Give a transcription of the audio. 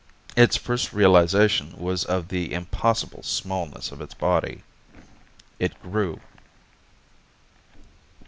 Its first realization was of the impossible smallness of its body. It grew.